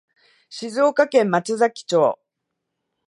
静岡県松崎町